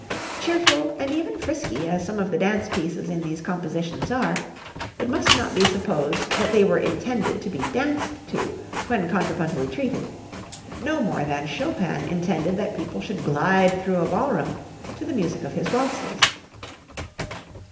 Cheerful and even frisky as some of the dance pieces in these compositions are, it must not be supposed that they were intended to be danced to when contrapuntally treated no more than Chopin intended that people should glide through a ballroom to the music of his waltzes.